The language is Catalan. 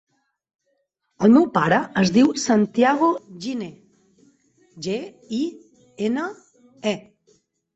El meu pare es diu Santiago Gine: ge, i, ena, e.